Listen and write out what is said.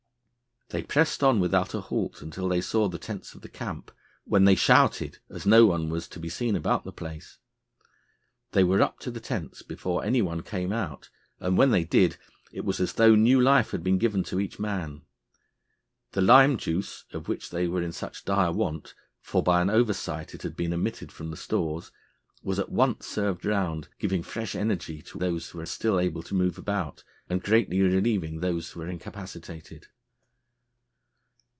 They pressed on without a halt until they saw the tents of the camp, when they shouted, as no one was to be seen about the place. They were up to the tents before any one came out, and when they did it was as though new life had been given to each man. The lime juice, of which they were in such dire want for by an oversight it had been omitted from the stores was at once served round, giving fresh energy to those who were still able to move about, and greatly relieving those who were incapacitated.